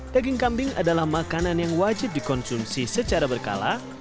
daging kambing adalah makanan yang wajib dikonsumsi secara berkala